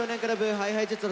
ＨｉＨｉＪｅｔｓ